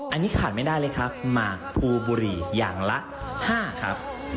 อันนี้ขาดไม่ได้เลยครับหมากภูบุหรี่อย่างละ๕ครับ